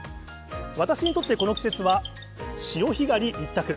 私にとってこの季節は潮干狩り一択。